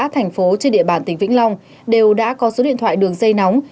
thành phố trên địa bàn tỉnh vĩnh long đều đã có số điện thoại đường dây nóng